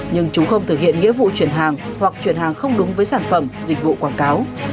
nhưng chúng không thực hiện nghĩa vụ chuyển hàng hoặc chuyển hàng không đúng với sản phẩm dịch vụ quảng cáo